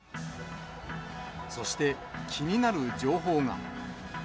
そして、気になる情報が。